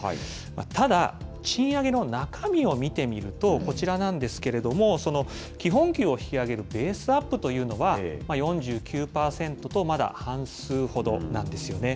ただ、賃上げの中身を見てみると、こちらなんですけれども、その基本給を引き上げるベースアップというのは、４９％と、まだ半数ほどなんですよね。